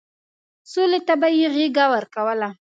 سولې ته به يې غېږه ورکوله.